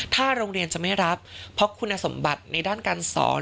ถ้าโรงเรียนจะไม่รับเพราะคุณสมบัติในด้านการสอน